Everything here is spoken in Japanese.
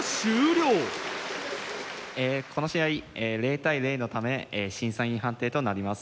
この試合０対０のため審査員判定となります。